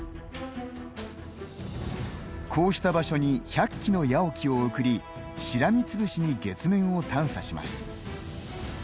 こうした場所に１００機のＹＡＯＫＩを送りしらみつぶしに月面を探査します。